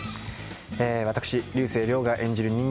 私、竜星涼が演じる人間